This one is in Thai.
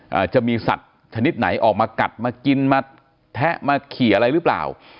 อาจจะมีสัตว์ชนิดไหนออกมากัดมากินมาแทะมาขี่อะไรหรือเปล่า